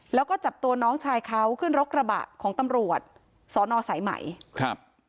แล้วก็จับตัวน้องชายเขาขึ้นรถกระบะของตำรวจสอนอสายไหมครับ